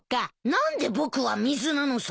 何で僕は水なのさ。